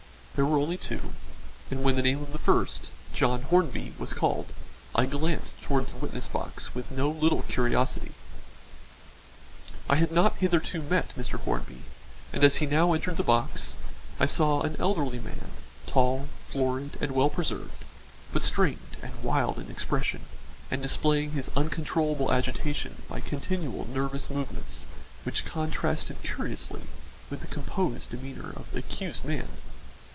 There were only two, and when the name of the first, John Hornby, was called, I glanced towards the witness box with no little curiosity. I had not hitherto met Mr. Hornby, and as he now entered the box, I saw an elderly man, tall, florid, and well preserved, but strained and wild in expression and displaying his uncontrollable agitation by continual nervous movements which contrasted curiously with the composed demeanour of the accused man.